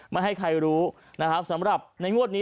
ไม่ให้ใครรู้นะครับสำหรับในงวดนี้